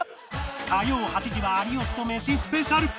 火曜８時は「有吉とメシ」スペシャル